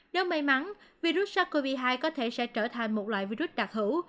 nếu may mắn virus sars cov hai có thể sẽ trở thành một loại virus đặc hữu